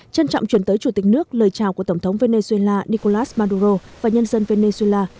trân trọng chuyển tới chủ tịch nước lời chào của tổng thống venezuela nicolas maduro và nhân dân venezuela